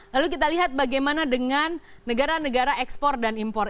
lalu kita lihat bagaimana dengan negara negara ekspor dan impor